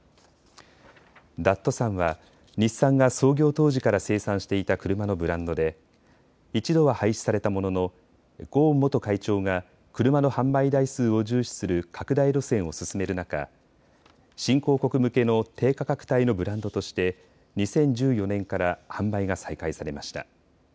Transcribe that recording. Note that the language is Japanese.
ダットサンは日産が創業当時から生産していた車のブランドで一度は廃止されたもののゴーン元会長が車の販売台数を重視する拡大路線を進める中、新興国向けの低価格帯のブランドとして２０１４年から販売が再開されました。